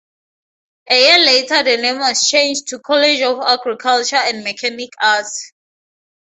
A year later the name was changed to College of Agriculture and Mechanic Arts.